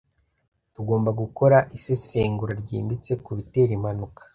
Tugomba gukora isesengura ryimbitse kubitera impanuka.